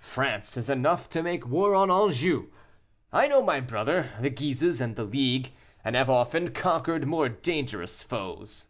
France is enough to make war on Anjou; I know my brother, the Guises, and the League, and have often conquered more dangerous foes."